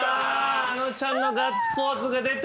あのちゃんのガッツポーズが出て。